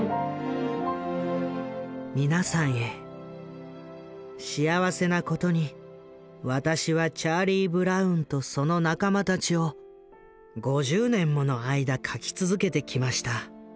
「皆さんへ幸せなことに私はチャーリー・ブラウンとその仲間たちを５０年もの間描き続けてきました。